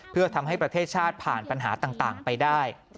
เพื่อทำให้ประเทศชาติผ่านปัญหาต่างไปได้